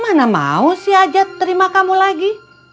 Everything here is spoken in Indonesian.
mana mau si ajat terima kamu lagi